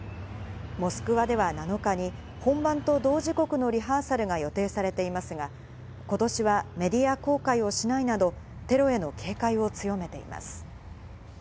モスクワでは７日に本番と同時刻のリハーサルが予定されていますが、今年はメディア公開をしないなど、テロへの警戒を強めています。